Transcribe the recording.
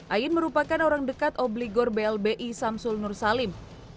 ain merupakan orang dekat obligor blbi samsul nursalim